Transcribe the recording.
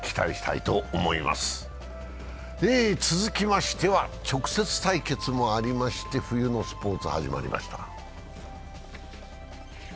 続きましては直接対決もありまして冬のスポーツ、始まりました。